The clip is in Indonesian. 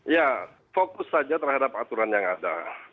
ya fokus saja terhadap aturan yang ada